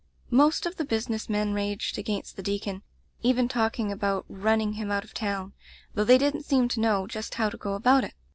"Most of the business men raged against the deacon, even talking about running him out of town, though they didn't seem to know just how to go about it.